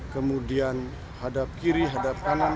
kemudian hadap kiri hadap kanan